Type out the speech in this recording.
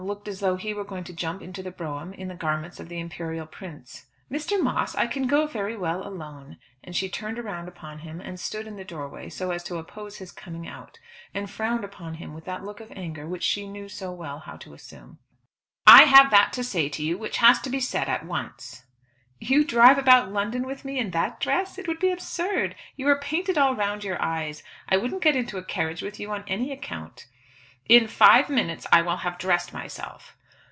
looked as though he were going to jump into the brougham in the garments of the imperial prince. "Mr. Moss, I can go very well alone;" and she turned round upon him and stood in the doorway so as to oppose his coming out, and frowned upon him with that look of anger which she knew so well how to assume. "I have that to say to you which has to be said at once." "You drive about London with me in that dress? It would be absurd. You are painted all round your eyes. I wouldn't get into a carriage with you on any account." "In five minutes I will have dressed myself."